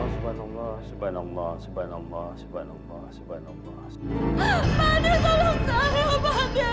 subhanallah subhanallah subhanallah subhanallah subhanallah subhanallah subhanallah